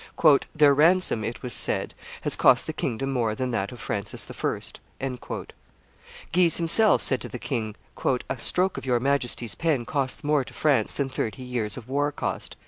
"Their ransom," it was said, "has cost the kingdom more than that of Francis I." Guise himself said to the king, "A stroke of your Majesty's pen costs more to France than thirty years of war cost."